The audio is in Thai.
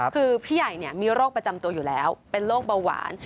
คือพี่ใหญ่มีโรคประจำตัวอยู่แล้วเป็นโรคเบาหวาน